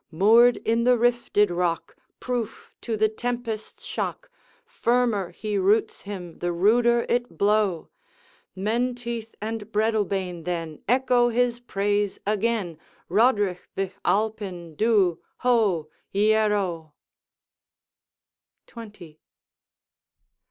Moored in the rifted rock, Proof to the tempest's shock, Firmer he roots him the ruder it blow; Menteith and Breadalbane, then, Echo his praise again, 'Roderigh Vich Alpine dhu, ho! ieroe!' XX.